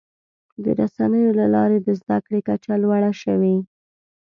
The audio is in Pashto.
د رسنیو له لارې د زدهکړې کچه لوړه شوې.